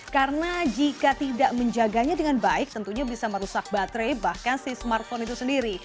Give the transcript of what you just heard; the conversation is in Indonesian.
karena jika tidak menjaganya dengan baik tentunya bisa merusak baterai bahkan si smartphone itu sendiri